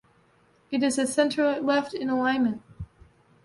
It is centre-left in alignment.